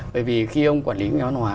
bởi vì khi ông quản lý nguyễn văn hóa